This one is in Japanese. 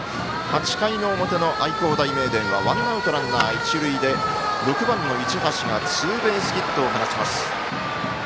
８回の表の愛工大名電はワンアウト、ランナー、一塁で６番の市橋がツーベースヒットを放ちます。